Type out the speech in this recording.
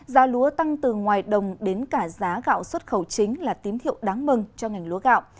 giá lúa tăng từ ngoài đồng đến cả giá gạo xuất khẩu chính là tím thiệu đáng mừng cho ngành lúa gạo